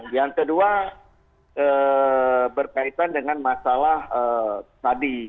yang kedua berkaitan dengan masalah tadi